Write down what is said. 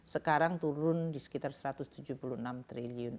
sekarang turun di sekitar rp satu ratus tujuh puluh enam triliun